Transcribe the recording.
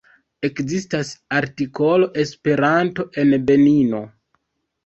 Ekzistas artikolo Esperanto en Benino.